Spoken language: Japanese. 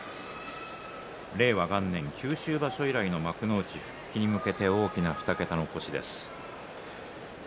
令和元年、九州場所以来の幕内復帰に向けて大きな２桁の星です、友風。